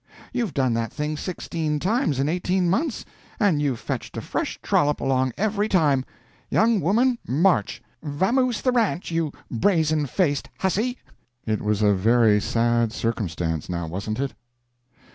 You've done that thing sixteen times in eighteen months, and you've fetched a fresh trollop along every time. Young woman, march! Vamoose the ranch, you brazen faced huzzy!" It was a very sad circumstance. Now wasn't it?